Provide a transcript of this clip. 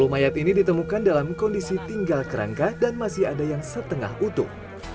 sepuluh mayat ini ditemukan dalam kondisi tinggal kerangka dan masih ada yang setengah utuh